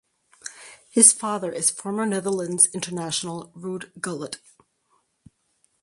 His father is former Netherlands international Ruud Gullit.